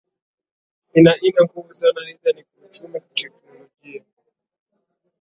ina ina nguvu sana either nikiuchumi kitechnologia